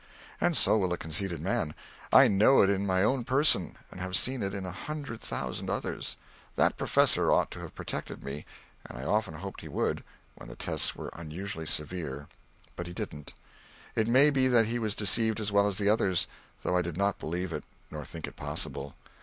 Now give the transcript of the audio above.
And so will a conceited man; I know it in my own person, and have seen it in a hundred thousand others. That professor ought to have protected me, and I often hoped he would, when the tests were unusually severe, but he didn't. It may be that he was deceived as well as the others, though I did not believe it nor think it possible.